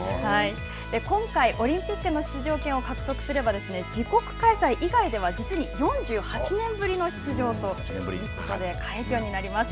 今回、オリンピックの出場権を獲得すれば、自国開催以外では、実に４８年ぶりの出場ということで、快挙になります。